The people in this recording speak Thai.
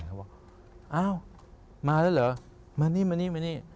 เขาว่าอ้าวมาแล้วเหรอมานี่มานี่